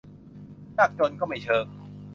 ยากจนก็ไม่เชิง